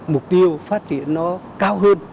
mục tiêu phát triển nó cao hơn